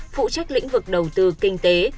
phụ trách lĩnh vực đầu tư kinh tế